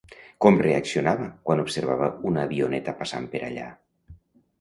Com reaccionava quan observava una avioneta passant per allà?